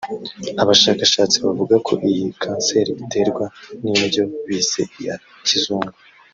Abashakashatsi bavuga ko iyi kanseri iterwa n’indyo bise iya kizungu